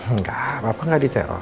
enggak papa gak diteror